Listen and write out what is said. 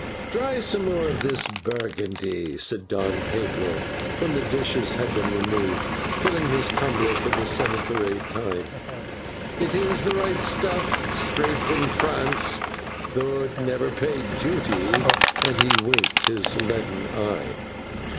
"Try some more of this Burgundy," said Don Pedro when the dishes had been removed, filling his tumbler for the seventh or eighth time, "it is the right stuff, straight from France, though it never paid duty," and he winked his leaden eye.